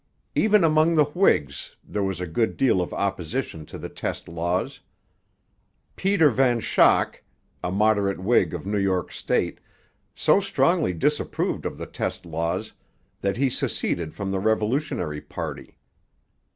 Even among the Whigs there was a good deal of opposition to the test laws. Peter Van Schaak, a moderate Whig of New York state, so strongly disapproved of the test laws that he seceded from the revolutionary party.